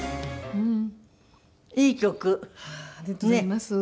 うん。